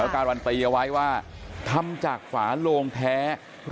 การวันปรียไว้ว่าทำจากฝาโลงแท้๑๐๐